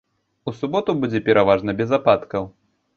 У суботу будзе пераважна без ападкаў.